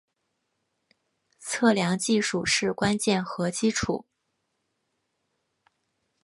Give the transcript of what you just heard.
测量技术是关键和基础。